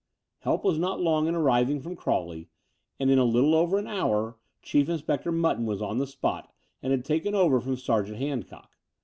Help was not long in arriving from Crawley, and in little over an hotir Chief Inspector Mutton was on the spot and had taken over from Sergeant Handcock.